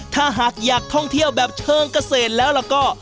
ถ้าหากอยากท่องเที่ยวแบบเชิงเกษตรแล้วก็